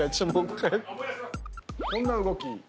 こんな動き？